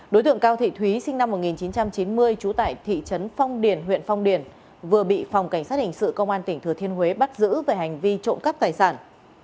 đối tượng cao thị thúy sinh năm một nghìn chín trăm chín mươi trú tại thị trấn phong điền huyện phong điền vừa bị phòng cảnh sát hình sự công an tỉnh thừa thiên huế bắt giữ về hành vi trộm cắp tài sản